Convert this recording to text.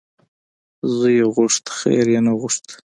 ـ زوی یې غوښت خیر یې نه غوښت .